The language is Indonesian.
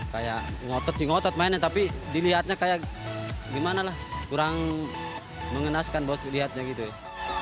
kayak ngotot sih ngotot mainnya tapi dilihatnya kayak gimana lah kurang mengenaskan buat lihatnya gitu ya